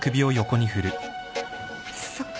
そっか。